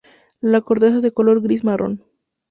La corteza es de color gris-marrón.